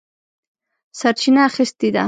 سرچینه اخیستې ده.